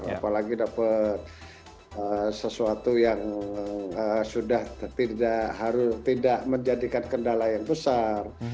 apalagi dapat sesuatu yang sudah tidak menjadikan kendala yang besar